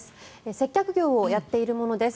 接客業をやっている者です。